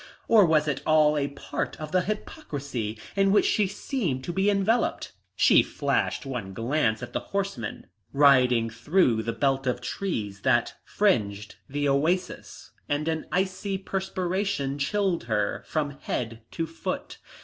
Or was it all a part of the hypocrisy in which she seemed to be enveloped? She flashed one glance at the horseman riding through the belt of trees that fringed the oasis and an icy perspiration chilled her from head to foot.